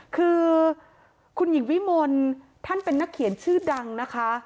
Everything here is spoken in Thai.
คือคุณหญิงวิมลท่านเป็นนักเขียนชื่อดังนะคะ